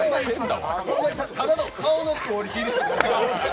ただの顔のクオリティー。